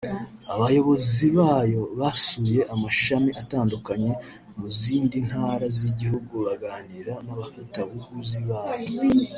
abayobozi bayo basuye amashami atandukanye mu zindi Ntara z’Igihugu baganira n’abafatabuguzi bayo